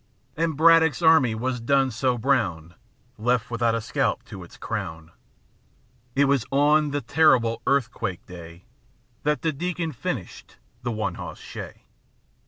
And Braddock's army was done so brown. Left without a scalp to its crown. It was on the terrible earthquake day That the Deacon finished his one hoss shay.